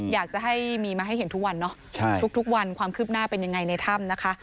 อยากจะให้มีมาให้เห็นทุกวันเนอะทุกวันความคืบหน้าเป็นยังไงในถ้ำนะคะ